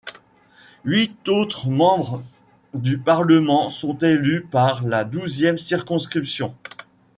Huit autres membres du parlement sont élus par la douzième circonscription.